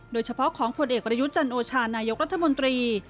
โดยเฉพาะของผลเอกประยุทธ์จันโอชานายกรัฐมนตรี